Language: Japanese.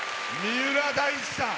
三浦大知さん。